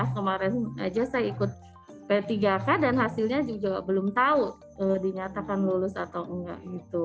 kemarin aja saya ikut p tiga k dan hasilnya juga belum tahu dinyatakan lulus atau enggak gitu